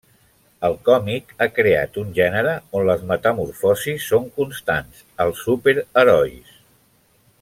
El còmic ha creat un gènere on les metamorfosis són constants: els superherois.